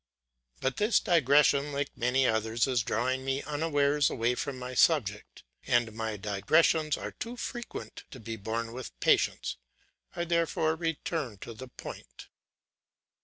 But this digression, like many others, is drawing me unawares away from my subject; and my digressions are too frequent to be borne with patience. I therefore return to the point.